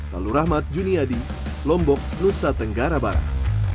lalu rahmat juniadi lombok nusa tenggara barat